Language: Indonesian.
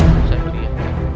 bisa lebih ya